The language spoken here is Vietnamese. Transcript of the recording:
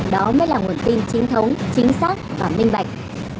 đó mới là nguồn tin chính thống chính xác và minh bạch